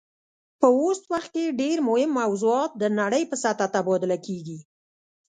په اوس وخت کې ډیر مهم موضوعات د نړۍ په سطحه تبادله کیږي